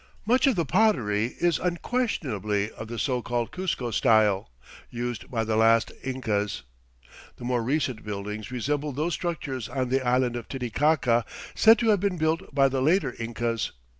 Much of the pottery is unquestionably of the so called Cuzco style, used by the last Incas. The more recent buildings resemble those structures on the island of Titicaca said to have been built by the later Incas.